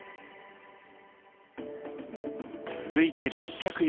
続いて６０４年。